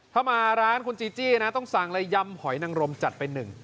ถ้ามาร้านคุณจีจี้นะต้องสั่งเลยยำหอยนังรมจัดไปหนึ่ง